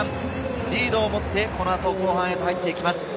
リードを持って、このあと後半へ入っていきます。